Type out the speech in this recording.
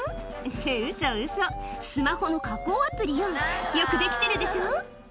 って、ウソウソ、スマホの加工アプリよ、よく出来てるでしょ。